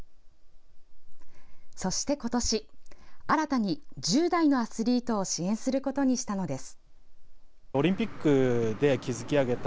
そして、今年新たに１０代のアスリートを支援することにしたのです。